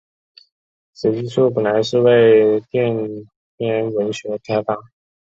此技术本来是为射电天文学开发。